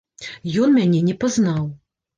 Ён мяне не пазнаў.